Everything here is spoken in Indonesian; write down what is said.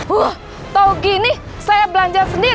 huuu tahu gini saya belanja sendiri